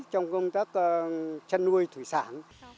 trong công tác chăn nuôi thủy sản